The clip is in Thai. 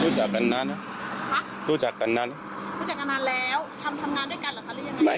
รู้จักกันนานนะรู้จักกันนานรู้จักกันนานแล้วทำทำงานด้วยกันเหรอคะหรือยังไง